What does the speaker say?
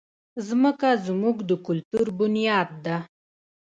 مځکه زموږ د کلتور بنیاد ده.